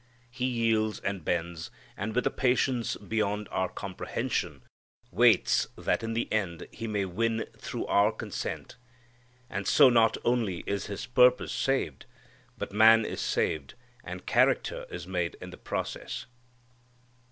He yields and bends, and, with a patience beyond our comprehension, waits, that in the end He may win through our consent. And so not only is His purpose saved, but man is saved and character is made in the process.